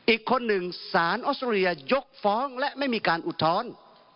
อีกคนหนึ่งสารออสเตรเลียยกฟ้องและไม่มีการอุทธรณ์